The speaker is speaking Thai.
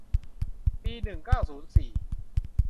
ปีหนึ่งเก้าศูนย์สี่